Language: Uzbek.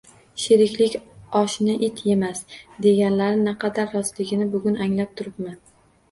Sheriklik oshni it yemas, deganlari naqadar rostligini bugun anglab turibman